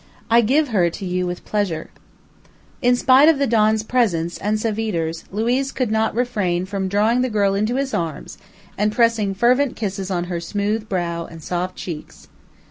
I give her to you with pleasure." In spite of the don's presence and Savitre's, Luiz could not refrain from drawing the girl into his arms and pressing fervent kisses on her smooth brow, and soft cheeks.